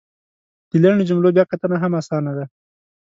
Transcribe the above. د لنډو جملو بیا کتنه هم اسانه ده !